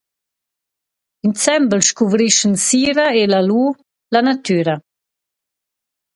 Insembel scuvrischan Sira e Lalu la natüra.